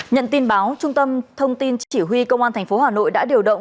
nhận tin báo trung tâm thông tin chỉ huy công an tp hà nội đã điều động